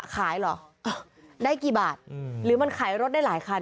เหรอได้กี่บาทหรือมันขายรถได้หลายคัน